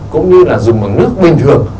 cũng như là dùng bằng nước bình thường